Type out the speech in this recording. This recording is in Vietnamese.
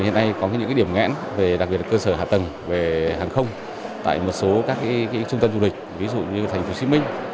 hiện nay có những điểm ngãn đặc biệt là cơ sở hạ tầng về hàng không tại một số các trung tâm du lịch ví dụ như tp hcm